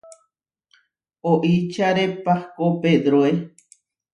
Oičare pahkó, pedroe.